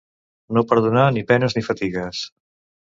No perdonar ni penes ni fatigues.